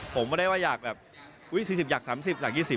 ผมพอได้ว่าอยากแบบ๔๐อยาก๓๐อยากสมบัติ๓๐